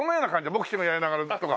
ボクシングやりながらとか。